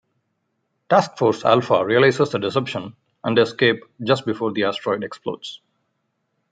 Task Force Alpha realizes the deception and escape just before the asteroid explodes.